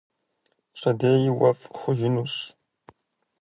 Пщэдей уэфӀ хъужынущ.